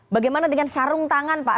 bagaimana dengan sarung tangan pak